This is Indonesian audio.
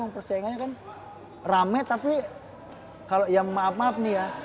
persaingannya kan rame tapi kalau ya maaf maaf nih ya